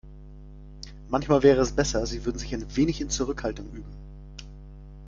Manchmal wäre es besser, sie würde sich ein wenig in Zurückhaltung üben.